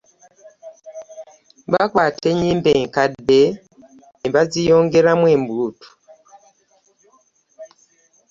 Bakwata enyima enkadde nebaziyongeramu emebuutu .